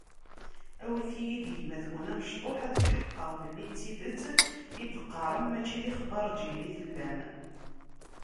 Awit-iyi-d gma-twen amecṭuḥ, ad tḥeqqeɣ belli d tidet i d-teqqarem, mačči d ixbaṛǧiyen i tellam.